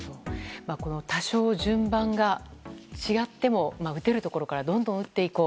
多少、順番が違っても打てるところからどんどん打っていこう。